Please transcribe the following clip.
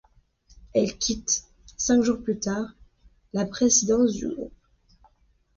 Elle quitte, cinq jours plus tard, la présidence du groupe.